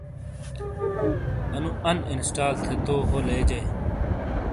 انُو اَن اِنسٹال تھے تو ہو لیجے۔